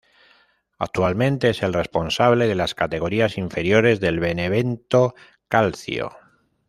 Actualmente es el responsable de las categorías inferiores del Benevento Calcio.